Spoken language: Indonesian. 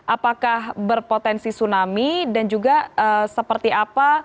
apakah berpotensi tsunami dan juga seperti apa